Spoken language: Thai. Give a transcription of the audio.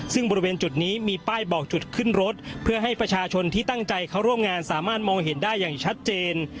ซึ่งบริเวณจุดนี้มีป้ายบอกจุดขึ้นรถเพื่อให้ประชาชนที่ตั้งใจเขาร่วมงานสามารถมองเห็นได้อย่างชัดเจน